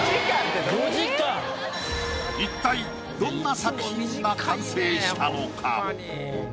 一体どんな作品が完成したのか？